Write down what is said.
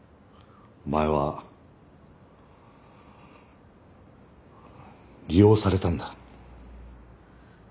お前は利用されたんだ。